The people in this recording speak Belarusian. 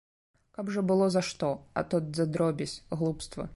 Каб жа было за што, а то за дробязь, глупства.